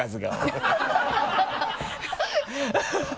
ハハハ